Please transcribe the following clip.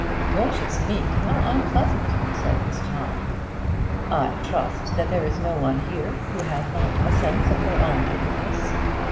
"Gracious me, how unpleasant!" said Miss Todd. "I trust that there is no one here who has not a sense of her own wickedness."